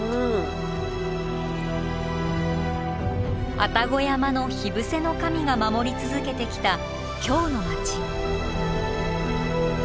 愛宕山の火伏せの神が守り続けてきた京の街。